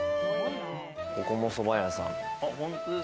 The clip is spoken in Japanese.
ここもそば屋さん。